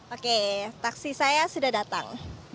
oke taksi saya sudah datang